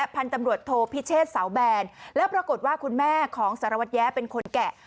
พันธุ์ตำรวจโทพิเชษเสาแบนแล้วปรากฏว่าคุณแม่ของสารวัตรแย้เป็นคนแกะ